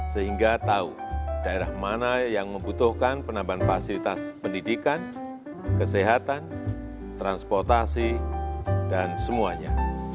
sehingga tahu daerah mana yang membutuhkan penambahan fasilitas pendidikan kesehatan transportasi dan semuanya